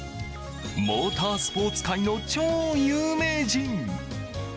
モータースポーツ界の超有名人。